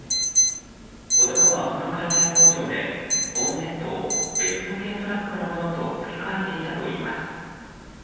男はこの解体工場でボンネットを別の軽トラックのものと付け替えていたといいます。